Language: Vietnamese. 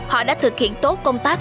họ đã thực hiện tốt công tác